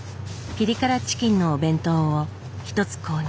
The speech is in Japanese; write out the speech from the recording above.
ピリ辛チキンのお弁当を一つ購入。